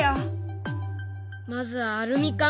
まずはアルミ缶。